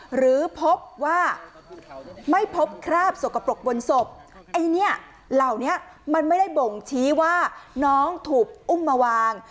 หรือพบว่าไม่พบคราบสกปรกบนศพไอ้เนี่ยเหล่านี้มันไม่ได้บ่งชี้ว่าน้องถูกอุ้มมาวาง